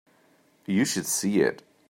You should see it.